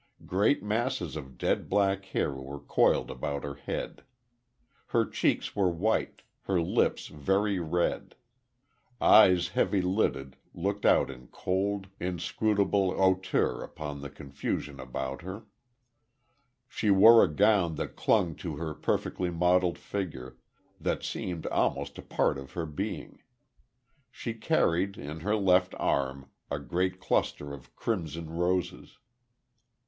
Great masses of dead black hair were coiled about her head. Her cheeks were white; her lips very red. Eyes heavy lidded looked out in cold, inscrutable hauteur upon the confusion about her. She wore a gown that clung to her perfectly modelled figure that seemed almost a part of her being. She carried, in her left arm, a great cluster of crimson roses.